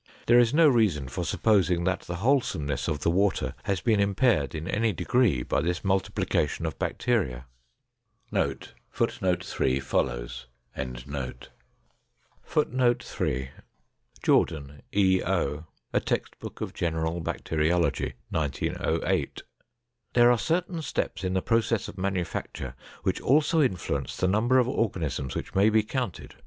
There is no reason for supposing that the wholesomeness of the water has been impaired in any degree by this multiplication of bacteria." Footnote 3: Jordan, E. O. A text book of General Bacteriology. 1908. There are certain steps in the process of manufacture which also influence the number of organisms which may be counted.